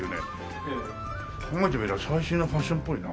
考えてみれば最新のファッションっぽいな。